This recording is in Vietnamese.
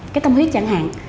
cái tâm huyết chẳng hạn